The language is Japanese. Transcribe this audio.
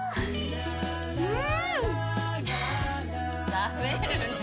食べるねぇ。